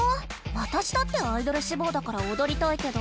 わたしだってアイドルしぼうだからおどりたいけど。